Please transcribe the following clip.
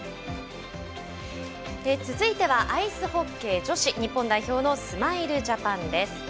続いてはアイスホッケー女子日本代表のスマイルジャパンです。